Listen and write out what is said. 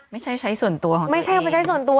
ไม่ใช่ใช้ส่วนตัวของเขาไม่ใช่เอาไปใช้ส่วนตัว